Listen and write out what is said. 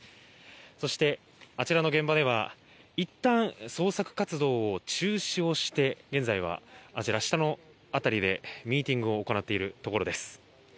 そして、あちらの現場ではいったん捜索活動を中止して現在はあちら、下の辺りでミーティングを行っているところです。